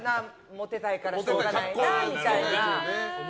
モテたいからしょうがないなみたいな。